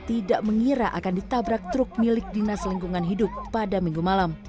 tidak mengira akan ditabrak truk milik dinas lingkungan hidup pada minggu malam